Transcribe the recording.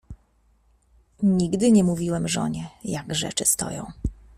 "Nigdy nie mówiłem żonie jak rzeczy stoją."